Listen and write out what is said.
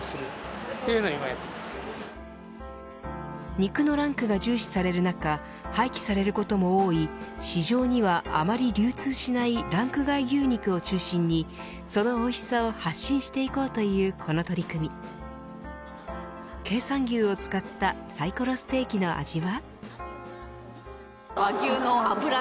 肉のランクが重視される中廃棄されることも多い市場にはあまり流通しないランク外牛肉を中心にそのおいしさを発信していこうというこの取り組み経産牛を使ったサイコロステーキの味は。